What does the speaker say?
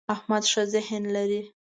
احمد ښه ذهن لري.